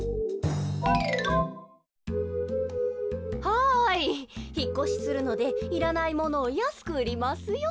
はいひっこしするのでいらないものをやすくうりますよ。